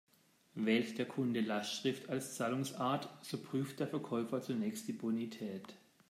Wählt der Kunde Lastschrift als Zahlungsart, so prüft der Verkäufer zunächst die Bonität.